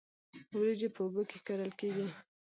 وریجې په اوبو کې کرل کیږي